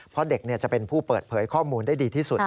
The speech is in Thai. เพราะเด็กจะเป็นผู้เปิดเผยข้อมูลได้ดีที่สุด